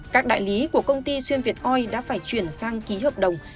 các đại lý của công ty xuyên việt oi đã phải chuyển sang ký hợp đồng